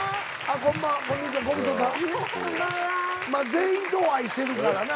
全員とお会いしてるからな。